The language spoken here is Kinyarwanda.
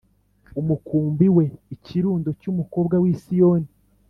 umukumbi we ikirundo cy umukobwa w i Siyoni